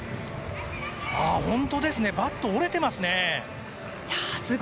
本当ですねバットが折れてますね。